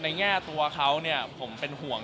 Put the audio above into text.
คือแฟนคลับเขามีเด็กเยอะด้วย